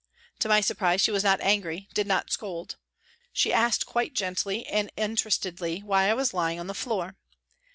To my surprise she was not angry, did not scold. She asked quite gently and interestedly why I was lying on the floor.